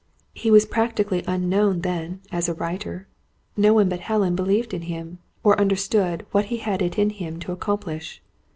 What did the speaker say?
He was practically unknown then, as a writer. No one but Helen believed in him, or understood what he had it in him to accomplish.